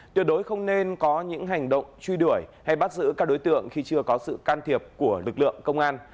tuyệt đối không nên có những hành động truy đuổi hay bắt giữ các đối tượng khi chưa có sự can thiệp của lực lượng công an